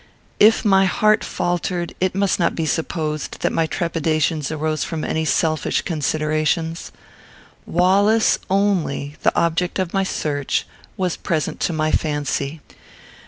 If my heart faltered, it must not be supposed that my trepidations arose from any selfish considerations. Wallace only, the object of my search, was present to my fancy.